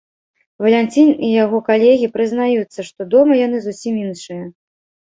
Валянцін і яго калегі прызнаюцца, што дома яны зусім іншыя.